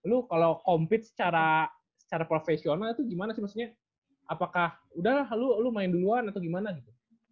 lu kalau compete secara profesional itu gimana sih maksudnya apakah udahlah lu lo main duluan atau gimana gitu